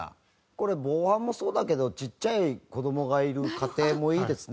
これ防犯もそうだけどちっちゃい子供がいる家庭もいいですね。